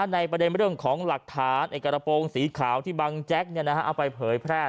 ในประเด็นเรื่องของหลักฐานกระโปรงสีขาวที่บังแจ๊กเอาไปเผยแพร่